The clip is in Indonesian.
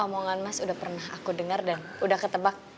omongan mas udah pernah aku dengar dan udah ketebak